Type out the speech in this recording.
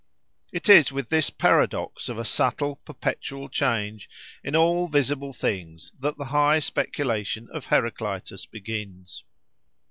It is with this paradox of a subtle, perpetual change in all visible things, that the high speculation of Heraclitus begins.